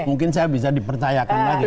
mungkin saya bisa dipercayakan lagi